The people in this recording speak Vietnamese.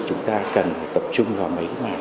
chúng ta cần tập trung vào mấy cái mảng